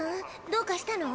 どうかしたの？